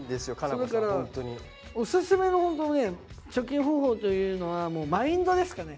だからオススメのホントね貯金方法というのはマインドですかね。